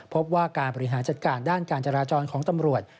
พบว่าการบริหารจัดการด้านการจราจรของตำรวจ